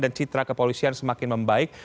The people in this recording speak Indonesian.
citra kepolisian semakin membaik